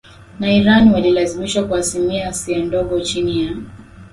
na Irani walilazimishwa kuhamia Asia Ndogo chini ya